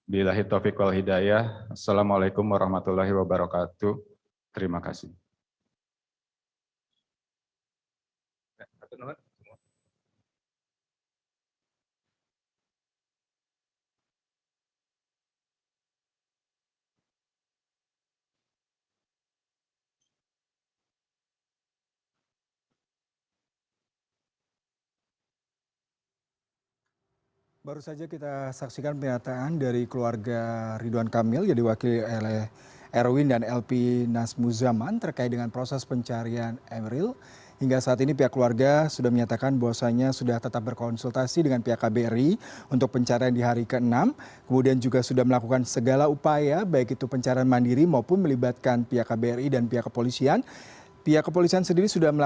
bilahi taufiq wal hidayah assalamu'alaikum warahmatullahi wabarakatuh terima kasih